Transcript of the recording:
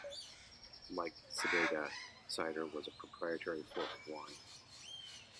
Like Cedega, Cider was a proprietary fork of Wine.